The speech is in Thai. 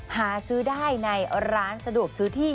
หาซื้อได้ในร้านสะดวกซื้อที่